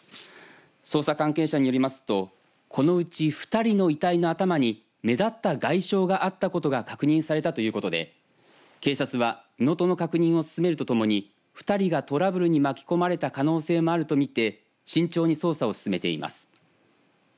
捜査関係者によりますとこのうち２人の遺体の頭に目立った外傷があったことが確認されたということで警察は身元の確認を進めるとともに２人がトラブルに巻き込まれた可能性もあると見て慎重に捜査を進めています。